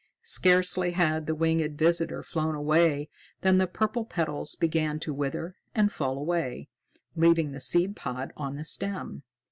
Scarcely had the winged visitor flown away than the purple petals began to wither and fall away, leaving the seed pod on the stem.